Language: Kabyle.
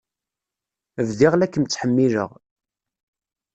Bdiɣ la kem-ttḥemmileɣ.